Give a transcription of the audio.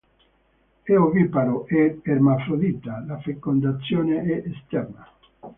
È oviparo ed ermafrodita; la fecondazione è esterna.